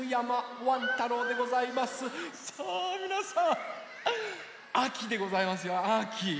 キャスターのさあみなさんあきでございますよあき。